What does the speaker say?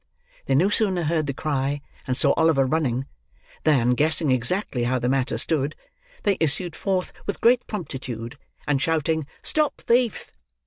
They no sooner heard the cry, and saw Oliver running, than, guessing exactly how the matter stood, they issued forth with great promptitude; and, shouting "Stop thief!"